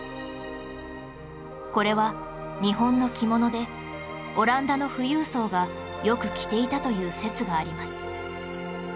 これは日本の着物でオランダの富裕層がよく着ていたという説があります